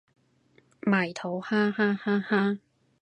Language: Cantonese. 埋土哈哈哈哈